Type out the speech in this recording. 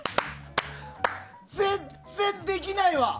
全然できないわ！